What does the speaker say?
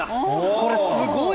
これすごい。